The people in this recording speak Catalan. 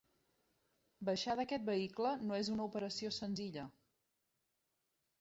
Baixar d'aquest vehicle no és una operació senzilla.